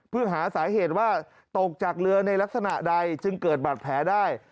เพื่อหาสาเหตุว่าตกจากเรือในลักษณะใดจึงเกิดบัตรแผลได้